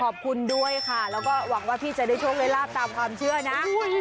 ขอบคุณด้วยค่ะแล้วก็หวังว่าพี่จะได้โชคได้ลาบตามความเชื่อนะ